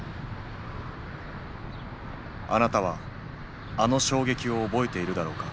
あなたはあの衝撃を覚えているだろうか。